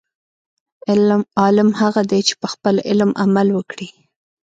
عالم هغه دی، چې په خپل علم عمل وکړي.